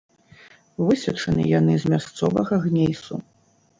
Высечаны яны з мясцовага гнейсу.